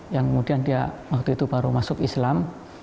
yang kemudian dia waktu itu baru masuk islam